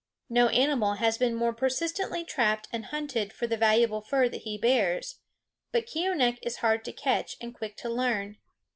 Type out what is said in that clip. No animal has been more persistently trapped and hunted for the valuable fur that he bears; but Keeonekh is hard to catch and quick to learn.